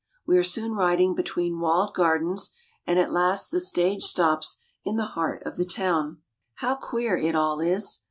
We are soon riding between walled gardens, and at last the stage stops in the heart of the town. How queer it all is